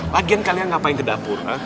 bagian kalian ngapain ke dapur